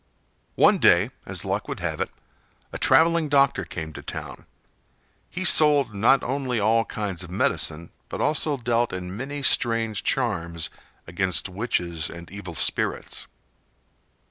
One day, as luck would have it, a traveling doctor came to the town. He sold not only all kinds of medicine, but also dealt in many strange charms against witches and evil spirits.